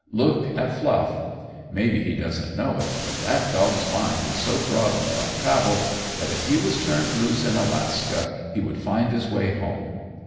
Look at Fluff! Maybe he don't show it, but that dog's mind is so broadened by travel that if he was turned loose in Alaska he would find his way home.